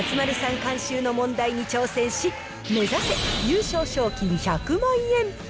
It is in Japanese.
監修の問題に挑戦し、目指せ、優勝賞金１００万円。